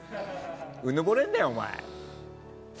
うぬぼれんなよ、お前。